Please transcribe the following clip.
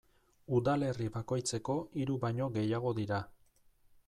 Udalerri bakoitzeko hiru baino gehiago dira.